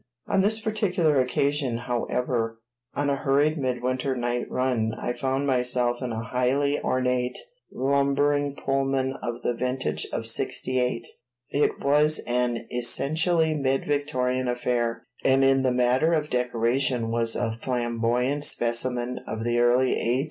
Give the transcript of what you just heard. On this particular occasion, however, on a hurried midwinter night run, I found myself in a highly ornate, lumbering Pullman of the vintage of '68. It was an essentially mid Victorian affair, and in the matter of decoration was a flamboyant specimen of the early A.